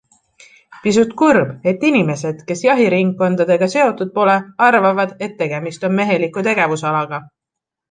Pisut kurb, et inimesed, kes jahiringkondadega seotud pole, arvavad, et tegemist on meheliku tegevusalaga.